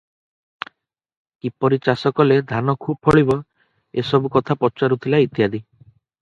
କିପରି ଚାଷକଲେ ଧାନ ଖୁବ୍ ଫଳିବ, ଏସବୁକଥା ପଚାରୁଥିଲା ଇତ୍ୟାଦି ।